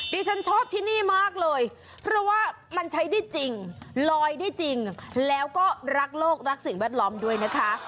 ดิฉันชอบที่นี่มากเลยเพราะว่ามันใช้ได้จริงลอยได้จริงแล้วก็รักโลกรักสิ่งแวดล้อมด้วยนะคะ